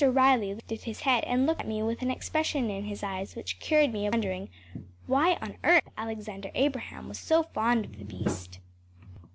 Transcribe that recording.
Riley lifted his head and looked at me with an expression in his eyes which cured me of wondering why on earth Alexander Abraham was so fond of the beast.